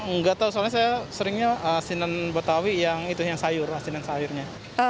nggak tahu soalnya saya seringnya asinan betawi yang itu yang sayur asinan sayurnya